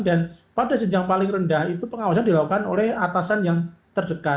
dan pada jenjang paling rendah itu pengawasan dilakukan oleh atasan yang terdekat